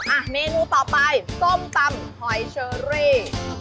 อ่ะเมนูต่อไปส้มตำหอยเชอรี่